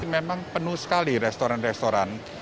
memang penuh sekali restoran restoran